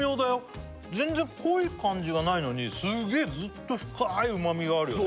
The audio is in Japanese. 全然濃い感じがないのにすげえずっと深い旨みがあるよね